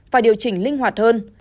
và điều chỉnh linh hoạt hơn